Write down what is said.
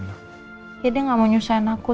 dia gak mau nyusahin aku